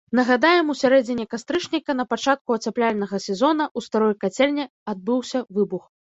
Нагадаем, у сярэдзіне кастрычніка на пачатку ацяпляльнага сезона ў старой кацельні адбыўся выбух.